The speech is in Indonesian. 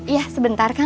iya sebentar kang